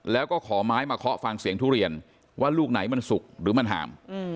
แล้วก็ขอไม้มาเคาะฟังเสียงทุเรียนว่าลูกไหนมันสุกหรือมันหาม